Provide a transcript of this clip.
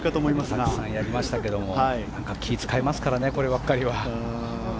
たくさんやりましたけども気を使いますからねこればっかりは。